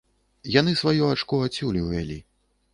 Яны сваё ачко адсюль увялі.